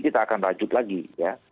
kita akan rajut lagi ya